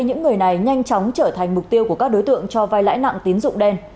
những người này nhanh chóng trở thành mục tiêu của các đối tượng cho vai lãi nặng tín dụng đen